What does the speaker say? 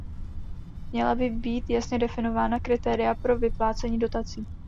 Měla by být jasně definována kritéria pro vyplácení dotací.